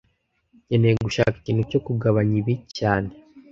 Nkeneye gushaka ikintu cyo kugabanya ibi cyane